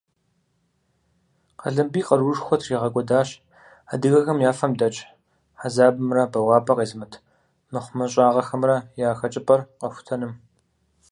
Къалэмбий къаруушхуэ тригъэкӀуэдащ адыгэхэм я фэм дэкӀ хьэзабымрэ бэуапӀэ къезымыт мыхъумыщӀагъэхэмрэ я хэкӀыпӀэр къэхутэным.